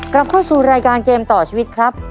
กลับเข้าสู่รายการเกมต่อชีวิตครับ